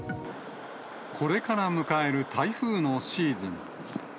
これから迎える台風のシーズン。